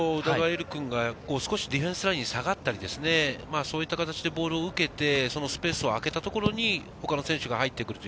琉君が少しディフェンスラインに下がったり、そういう形でボールを受けて、そのスペースをあけたところに他の選手が入ってくる。